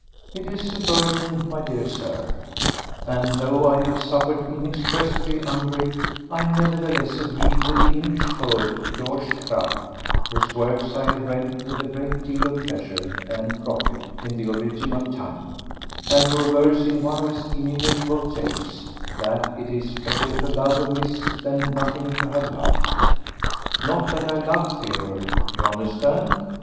It is a burden, my dear Sir, and though I have suffered inexpressibly under it, I nevertheless agree with the English poet, George Crabbe, whose works I have read with a great deal of pleasure and profit in the original tongue, and who avers in one of his inimitable "Tales" that it is "better to love amiss than nothing to have loved." Not that I loved Theodore, you understand?